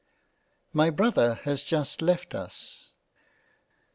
MY Brother has just left us.